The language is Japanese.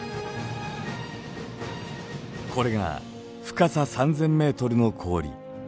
これが深さ３０００メートルの氷。